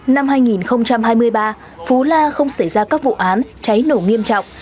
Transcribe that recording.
năm hai nghìn hai mươi ba phú la không xảy ra các vụ án cháy nổ nghiêm trọng